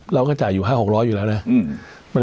เราก็จ่ายอยู่๕๖๐๐อยู่แล้วนะ